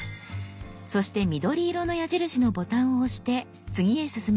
そして緑色の矢印のボタンを押して次へ進みます。